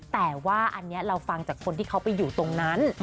แต่ว่าอันนี้เราฟังจากคนที่เขาไปอยู่ตรงนั้น